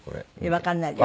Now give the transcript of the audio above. わかんないです。